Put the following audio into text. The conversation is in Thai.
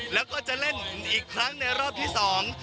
แล้วก็จะเล่นอีกครั้งในรอบที่สอง